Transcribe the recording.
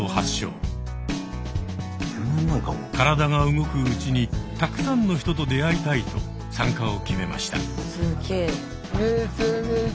体が動くうちにたくさんの人と出会いたいと参加を決めました。